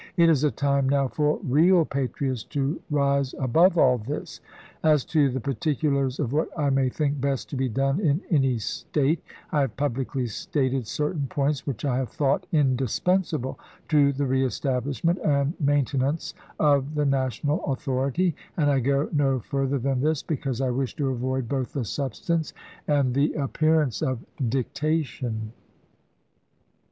It is a time now for real patriots to rise above all this. As to the particulars of what I may think best to be done in any State, I have publicly stated certain points, which I have thought indispensable to the reestablishment and main Lincoin to tenaucc of the National authority ; and I go no further cottman, than this because I wish to avoid both the substance and 1863. " MS. the appearance of dictation.